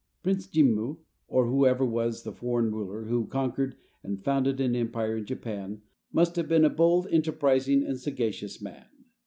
Prince Jimmu, or whoever was the foreign ruler who conquered and founded an empire in Japan, must have been a bold, enterprising, and sagacious man.